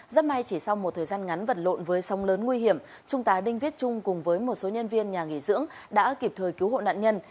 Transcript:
rất may chỉ sau một thời gian ngắn vật lộn với sóng lớn nguy hiểm trung tá đinh viết trung cùng với một số nhân viên nhà nghỉ dưỡng đã kịp thời cứu hộ nạn nhân